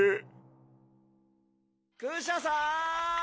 クシャさん！